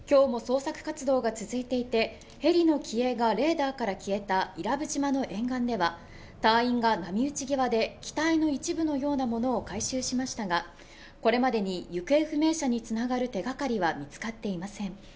今日も捜索活動が続いていて、ヘリの機影がレーダーから消えた伊良部島の沿岸では隊員が波打ち際で機体の一部のようなものを回収しましたが、これまでに行方不明者に繋がる手がかりは見つかっていません。